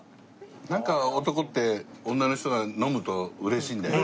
なんか男って女の人が飲むと嬉しいんだよな。